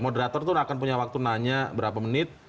moderator itu akan punya waktu nanya berapa menit